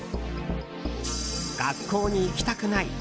学校に行きたくない。